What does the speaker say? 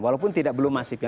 walaupun tidak belum masih ya